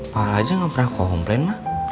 pak lajar enggak pernah komplain ma